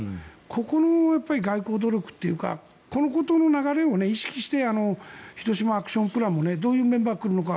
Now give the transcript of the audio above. ここの外交努力というかこの流れを意識して広島アクションプランもどういうメンバーが来るのか